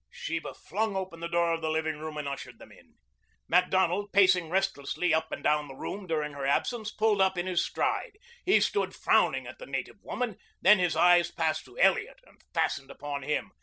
Sheba flung open the door of the living room and ushered them in. Macdonald, pacing restlessly up and down the room during her absence, pulled up in his stride. He stood frowning at the native woman, then his eyes passed to Elliot and fastened upon him.